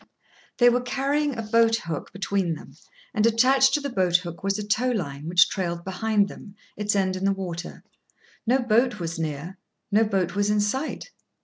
They were carrying a boat hook between them, and, attached to the boat hook was a tow line, which trailed behind them, its end in the water. No boat was near, no boat was in sight.